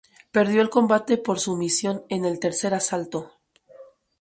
Perdió el combate por sumisión en el tercer asalto.